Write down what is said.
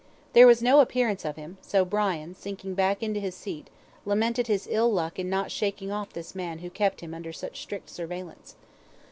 There was no appearance of him, so Brian, sinking back into his seat, lamented his ill luck in not shaking off this man who kept him under such strict surveillance.